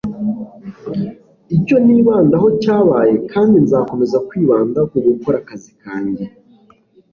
icyo nibandaho cyabaye kandi nzakomeza kwibanda ku gukora akazi kanjye